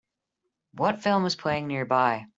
What film is playing nearby